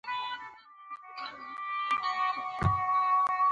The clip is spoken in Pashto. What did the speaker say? احمد لاس پر غوږو نيولی دی او پر چا کار نه لري.